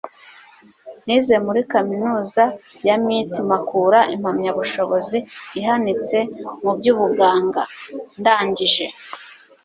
nize muri kaminuza ya mit mpakura impamyabushobozi ihanitse mu by'ubuganga, ndangije